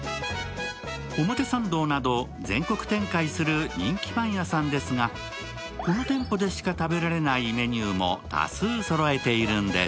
表参道など全国展開する人気パン屋さんですがこの店舗でしか食べられないメニューも多数そろえているんです。